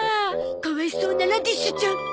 かわいそうなラディッシュちゃん。